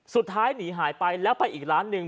สุดท้ายหนีหายไปแล้วไปอีกล้านหนึ่ง